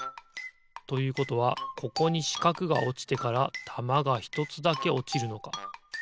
ということはここにしかくがおちてからたまがひとつだけおちるのか。